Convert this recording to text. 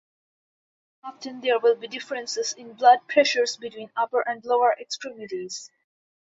Often there will be differences in blood pressures between upper and lower extremities.